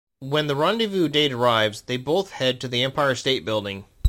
When the rendezvous date arrives, they both head to the Empire State Building.